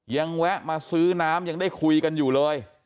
แวะมาซื้อน้ำยังได้คุยกันอยู่เลย